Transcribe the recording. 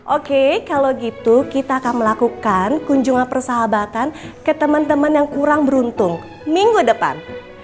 oke kalau gitu kita akan melakukan kunjungan persahabatan ke teman teman yang kurang beruntung minggu depan